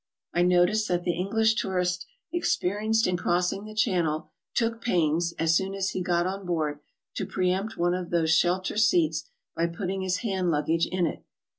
I noticed that the English tourist experienced in crossing the Channel took pains, as soon as he got on board, to pre empt one of these shelter seats by put ting his hand luggage in it.